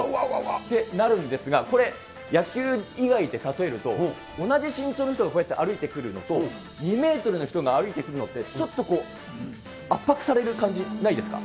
ってなるんですが、これ、野球以外で例えると、同じ身長の人がこうやって歩いてくるのと、２メートルの人が歩いてくるのって、ちょっとこう、圧迫される感じ、ないですか？